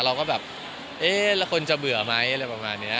เราก็แบบเอ๊ะแล้วคนจะเบื่อไหมอะไรประมาณนี้